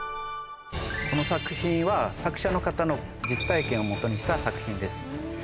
この作品は作者の方の実体験をもとにした作品です。